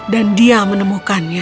dan dia menemukannya